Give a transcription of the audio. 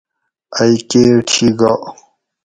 ائ کیٹ شی گا